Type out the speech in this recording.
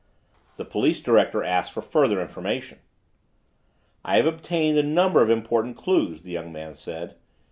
The police director asked for further information. "I have obtained a number of important clews," the young man said.